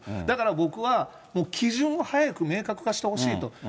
だから僕は、もう基準を早く明確化してほしいと。